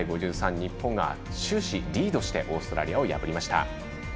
日本が終始リードしてオーストラリアを破りました。